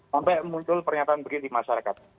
sampai muncul pernyataan begini di masyarakat